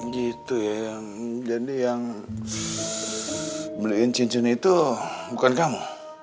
gitu ya jadi yang beli cincin itu bukan kamu